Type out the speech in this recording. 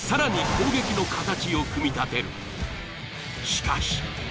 しかし。